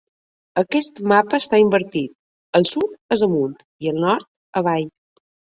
Aquest mapa està invertit; el sud és amunt i el nord avall.